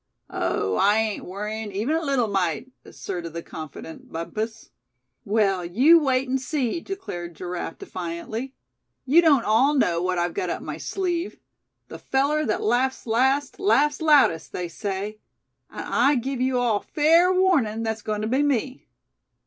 "Oh! I ain't worrying even a little mite," asserted the confident Bumpus. "Well, you wait and see!" declared Giraffe, defiantly. "You don't all know what I've got up my sleeve. The feller that laughs last laughs loudest, they say. And I give you all fair warning that's going to be me."